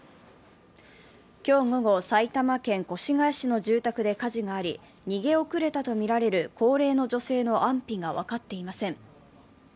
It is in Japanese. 今日午後、埼玉県越谷市の住宅で火事があり、逃げ遅れたとみられる高齢の女性の安否が分かっていません。